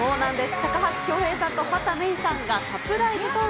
高橋恭平さんと畑芽育さんがサプライズ登場。